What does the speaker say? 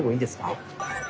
はい。